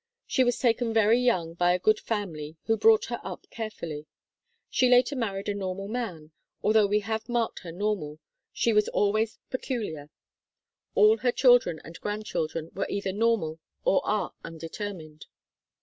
She was taken very young by a good family who brought her up carefully. She later married a normal man. Although we have marked her normal, she was always peculiar. All her children and grandchildren were either normal or are undetermined.